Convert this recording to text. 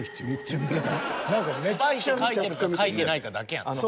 「スパイ」って書いてるか書いてないかだけやんな。